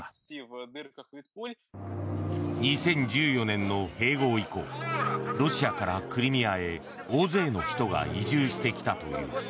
２０１４年の併合以降ロシアからクリミアへ大勢の人が移住してきたという。